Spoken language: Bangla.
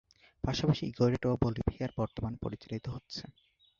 পাশাপাশি ইকুয়েডর ও বলিভিয়ায় বর্তমানে পরিচালিত হচ্ছে।